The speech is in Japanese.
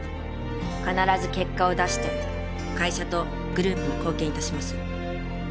必ず結果を出して会社とグループに貢献いたします